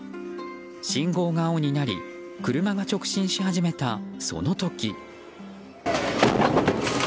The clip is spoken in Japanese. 信号が青になり車が直進し始めたその時。